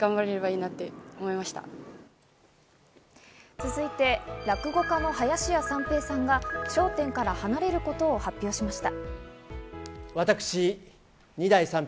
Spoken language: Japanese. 続いて、落語家の林家三平さんが『笑点』から離れることを発表しました。